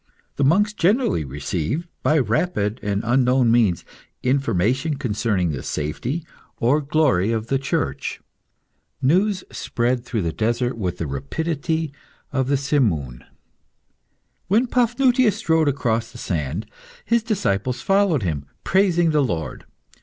The monks generally received, by rapid and unknown means, information concerning the safety or glory of the Church. News spread through the desert with the rapidity of the simoon. When Paphnutius strode across the sand, his disciples followed him, praising the Lord.